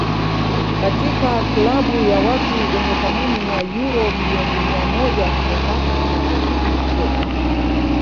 katika klabu ya watu wenye thamani ya uro milioni mia moja wakati anaporudi kutoka